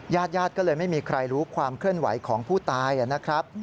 ญาติญาติก็เลยไม่มีใครรู้ความเคลื่อนไหวของผู้ตายนะครับ